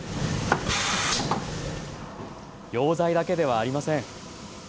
溶剤だけではありません。